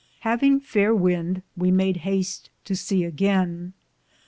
Haveing fayer wynde, we made haste to sea againe.